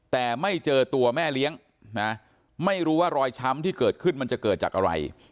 แต่ไม่เจอตัวแม่เลี้ยงนะไม่รู้ว่ารอยช้ำที่เกิดขึ้นมันจะเกิดจากอะไร